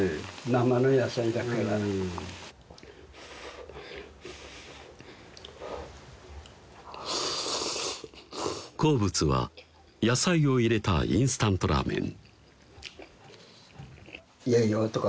生の野菜だから好物は野菜を入れたインスタントラーメン